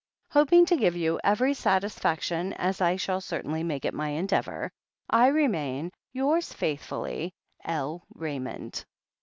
"Hoping to give you every satisfaction, as I shall certainly make it my endeavour, "I remain, "Yours faithfully, "L. Raymond."